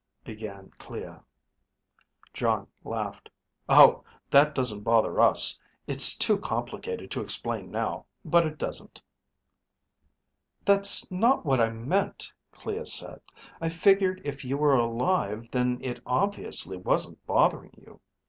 began Clea. Jon laughed, "Oh, that doesn't bother us. It's too complicated to explain now, but it doesn't." "That's not what I meant," Clea said. "I figured if you were alive, then it obviously wasn't bothering you.